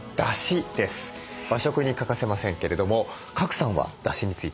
和食に欠かせませんけれども賀来さんはだしについては？